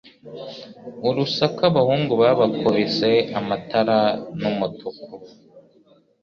urusaku Abahungu babakubise umukara numutuku